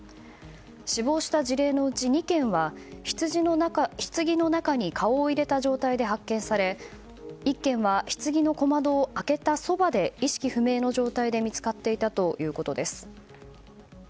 死亡した事例のうち２件は棺の中に顔を入れた状態で発見され１件は棺の小窓を開けたそばで意識不明の状態で見つかっていたということです。